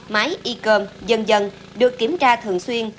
máy y cơm dần dần được kiểm tra thường xuyên